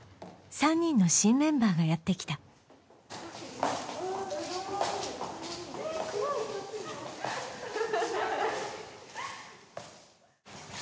３人の新メンバーがやってきたすごい！